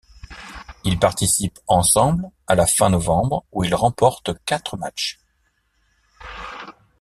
Ils participent ensemble à la ' fin novembre où ils remportent quatre matchs.